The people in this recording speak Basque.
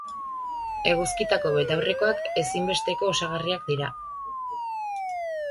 Eguzkitako betaurrekoak ezinbesteko osagarriak dira.